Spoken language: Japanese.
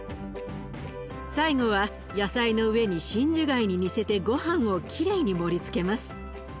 最後は野菜の上に真珠貝に似せてごはんをきれいに盛りつけます。